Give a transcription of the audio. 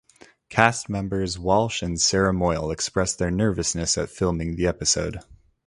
Cast members Walsh and Sarah Moyle expressed their nervousness at filming the episode.